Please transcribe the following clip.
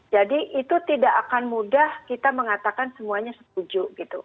jadi itu tidak akan mudah kita mengatakan semuanya setuju gitu